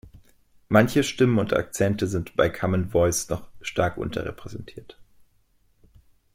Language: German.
Manche Stimmen und Akzente sind bei Common Voice noch stark unterrepräsentiert.